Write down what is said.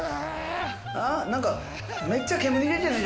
あっ何かめっちゃ煙出てない？